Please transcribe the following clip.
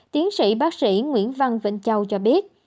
tiến sĩ bác sĩ nguyễn văn vịnh châu cho biết